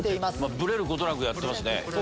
ブレることなくやってますね。